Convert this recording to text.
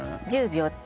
１０秒。